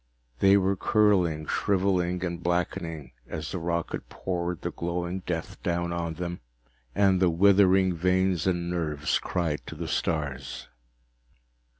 They were curling, shriveling and blackening as the rocket poured the glowing death down on them, and the withering veins and nerves cried to the stars.